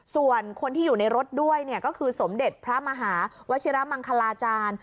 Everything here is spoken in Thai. ส่วนคนที่อยู่ในรถด้วยก็คือสมเด็จพระมหาวชิระมังคลาจารย์